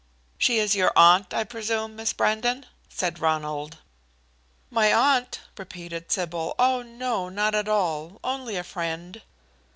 "She is your aunt, I presume, Miss Brandon?" said Ronald. "My aunt?" repeated Sybil. "Oh no, not at all only a friend."